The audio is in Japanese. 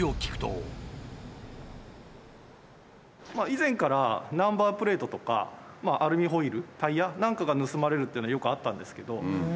以前からナンバープレートとかアルミホイールタイヤなんかが盗まれるというのはよくあったんですけど。